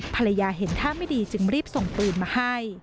ภรรยาเห็นท่าไม่ดีจึงรีบส่งปืนมาให้